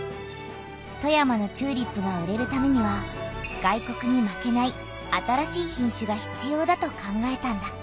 富山のチューリップが売れるためには外国に負けない新しい品種が必要だと考えたんだ。